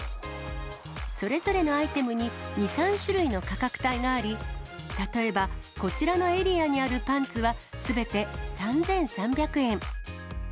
それぞれのアイテムに２、３種類の価格帯があり、例えば、こちらのエリアにあるパンツは、すべて３３００円。